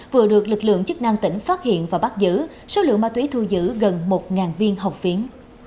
vừa được lực lượng chức năng tỉnh phát hiện và bắt giữ số lượng ma túy thu giữ gần một viên hồng phiến